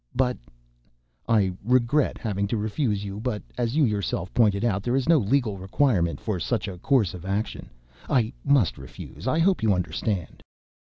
"But—" "I regret having to refuse you. But, as you yourself pointed out, there is no legal requirement for such a course of action. I must refuse. I hope you understand."